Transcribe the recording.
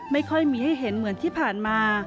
ไม่ค่อยมีให้เห็นเหมือนที่ผ่านมา